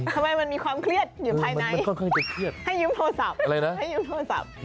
ทำไมมันมีความเครียดอยู่ภายในให้ยืมโทรศัพท์ให้ยืมโทรศัพท์